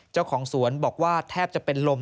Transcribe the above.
เจ้าของสวนบอกว่าแทบจะเป็นลม